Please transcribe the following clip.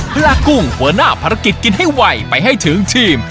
พลากุ้งหัวหน้าภารกิจกินให้ไวไปให้ถึงทีม